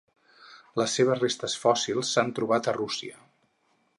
Les seves restes fòssils s'han trobat a Rússia.